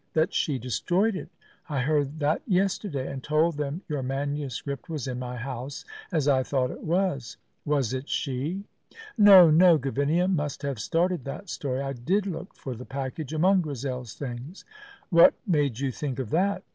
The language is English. "That she destroyed it. I heard that yesterday, and told them your manuscript was in my house, as I thought it was. Was it she?" "No, no. Gavinia must have started that story. I did look for the package among Grizel's things." "What made you think of that?"